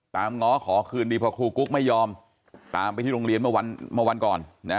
ง้อขอคืนดีพอครูกุ๊กไม่ยอมตามไปที่โรงเรียนเมื่อวันก่อน